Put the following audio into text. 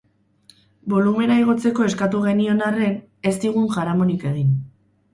Bolumena igotzeko eskatu genion arren, ez zigun jaramonik egin.